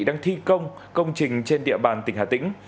đang thi công công trình trên địa bàn tỉnh hà tĩnh